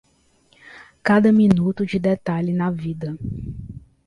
Cada minuto de detalhe na vida